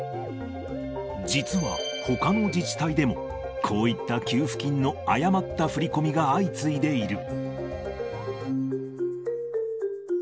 実は、ほかの自治体でも、こういった給付金の誤った振り込みが相次いでいる。